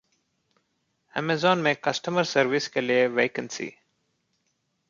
Amazon में customer service के लिए वैकेंसी